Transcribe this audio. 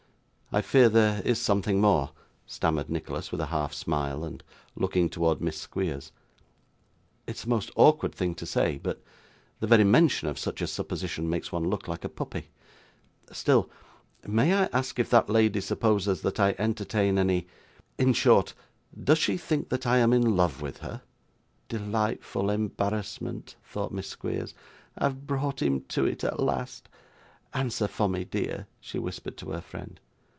'I fear there is something more,' stammered Nicholas with a half smile, and looking towards Miss Squeers, 'it is a most awkward thing to say but the very mention of such a supposition makes one look like a puppy still may I ask if that lady supposes that I entertain any in short, does she think that I am in love with her?' 'Delightful embarrassment,' thought Miss Squeers, 'I have brought him to it, at last. Answer for me, dear,' she whispered to her friend.